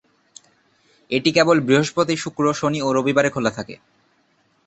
এটি কেবল বৃহস্পতি, শুক্র, শনি ও রবিবারে খোলা থাকে।